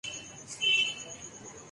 ہم ایسے سادہ دلوں کی نیاز مندی سے